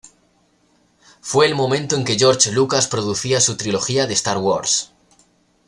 Fue el momento en que George Lucas producía su trilogía de "Star Wars".